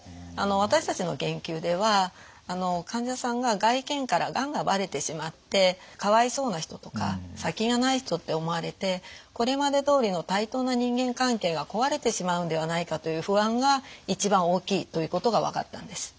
私たちの研究では患者さんが外見からがんがバレてしまってかわいそうな人とか先がない人って思われてこれまでどおりの対等な人間関係が壊れてしまうんではないかという不安が一番大きいということが分かったんです。